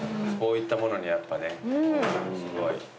こういったものにやっぱねすごい。